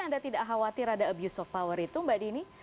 anda tidak khawatir ada abuse of power itu mbak dini